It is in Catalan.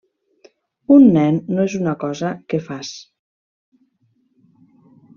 Un nen no és una cosa que fas.